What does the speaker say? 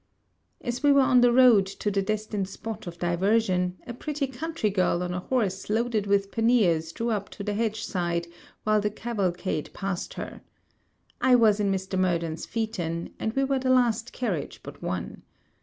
As we were on the road to the destined spot of diversion, a pretty country girl on a horse loaded with paniers drew up to the hedge side, while the cavalcade passed her. I was in Mr. Murden's phaeton; and we were the last carriage but one.